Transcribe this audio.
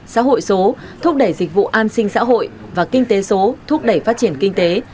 xã hội số thúc đẩy dịch vụ an sinh xã hội và kinh tế số thúc đẩy phát triển kinh tế